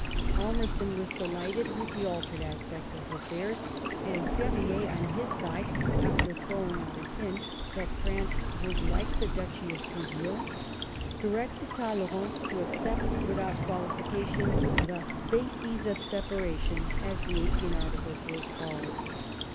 Palmerston was delighted with the altered aspect of affairs, and P6rier on his side, after throwing out a hint that France would like the Duchy of BouiUon, directed Talleyrand to accept without qualifications the *^ bases of separation," as the Eighteen Articles were called.